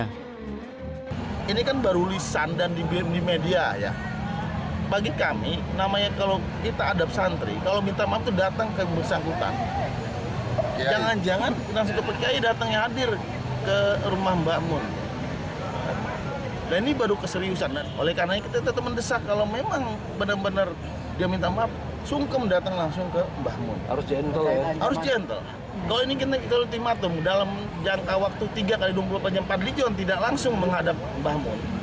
harus gentle kalau ini kita ultimatum dalam jangka waktu tiga x dua puluh panjang empat lituan tidak langsung menghadap bahamu